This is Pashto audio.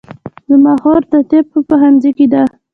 زما خور د طب په پوهنځي کې ده